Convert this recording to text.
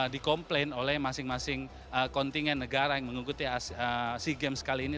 di komplain oleh masing masing kontingen negara yang mengikuti sea games kali ini